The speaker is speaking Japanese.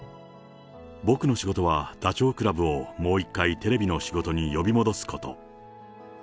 僕の仕事は、ダチョウ倶楽部をもう一回、テレビの仕事に呼び戻すこと。